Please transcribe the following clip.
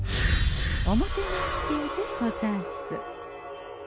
おもてなしティーでござんす。